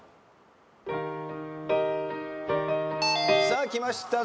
さあきました。